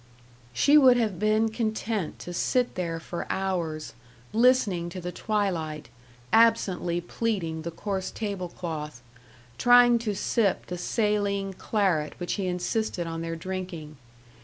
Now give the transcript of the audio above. She would have been content to sit there for hours, listening to the twilight, absently pleating the coarse table cloth, trying to sip the saline claret which he insisted on their drinking.